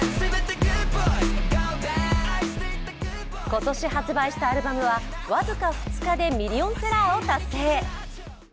今年発売したアルバムはわずか２日でミリオンセラーを達成。